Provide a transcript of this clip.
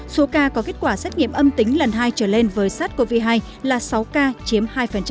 số ca có kết quả xét nghiệm âm tính lần hai trở lên với sars cov hai là sáu ca chiếm hai